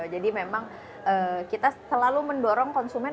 jadi memang kita selalu mendorong konsumen